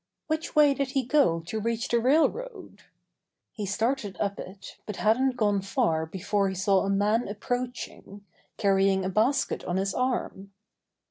Which way did he go to reach the railroad? He started up it, but hadn't gone far before he saw a man approaching, carrying a basket on his arm.